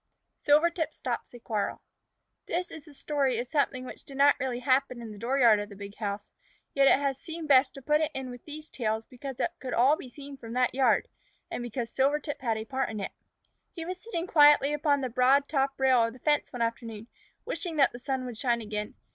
SILVERTIP STOPS A QUARREL This is the story of something which did not really happen in the dooryard of the big house, yet it has seemed best to put it in with these tales because it could all be seen from that yard, and because Silvertip had a part in it. He was sitting quietly upon the broad top rail of the fence one afternoon, wishing that the sun would shine again.